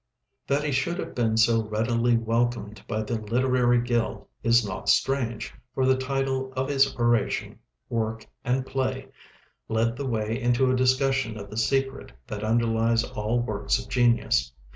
That he should have been so readily welcomed by the literary guild is not strange, for the title of his oration 'Work and Play' led the way into a discussion of the secret that underlies all works of genius.